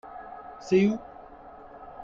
C'est où ?